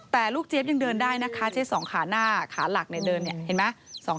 แต่ลูกเจี๊ยบยังเดินได้นะคะเจี๊ยสองขาหน้าขาหลักเนี่ยเดินเนี่ยเห็นไหม